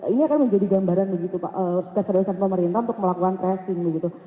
ini akan menjadi gambaran begitu pak keseriusan pemerintah untuk melakukan tracing begitu